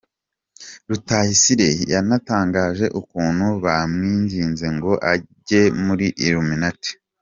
Rutayisire yanatangaje ukuntu bamwinginze ngo age muri Illuminati